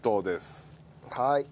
はい。